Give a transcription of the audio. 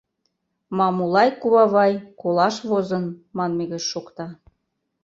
— Мамулай кувавай колаш возын, — манме гыч шокта.